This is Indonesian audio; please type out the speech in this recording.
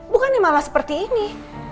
bukan nih malah seperti ini